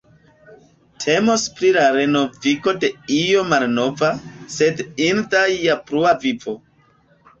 Temos pri la renovigo de io malnova, sed inda je plua vivo.